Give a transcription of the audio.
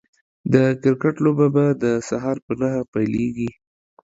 د کرکټ لوبه به د سهار په نهه پيليږي